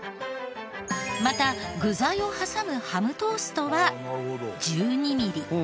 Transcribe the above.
また具材を挟むハムトーストは１２ミリ。